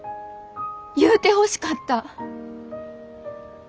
言うてほしかった。